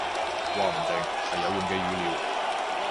話唔定，係好有用嘅語料